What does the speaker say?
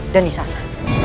dan di sana